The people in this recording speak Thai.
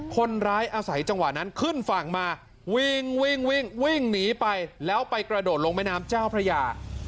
คนร้ายอาศัยจังหวะนั้นขึ้นฝั่งมาวิ่งวิ่งวิ่งหนีไปแล้วไปกระโดดลงแม่น้ำเจ้าพระยา